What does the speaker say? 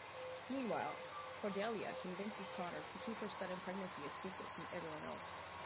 Meanwhile, Cordelia convinces Connor to keep her sudden pregnancy a secret from everyone else.